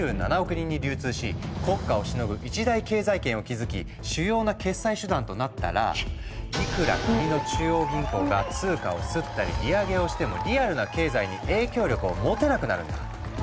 人に流通し国家をしのぐ一大経済圏を築き主要な決済手段となったらいくら国の中央銀行が通貨を刷ったり利上げをしてもリアルな経済に影響力を持てなくなるんだ。